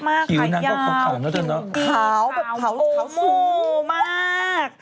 ขายาวขาวแบบโอโมมาก